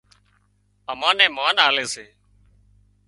امان نين مانَ آلي سي